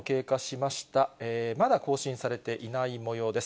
まだ更新されていないもようです。